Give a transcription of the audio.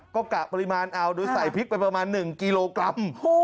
ก็กะปริมาณเอาโดยใส่พริกไปประมาณ๑กิโลกรัม